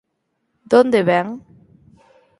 De onde vén?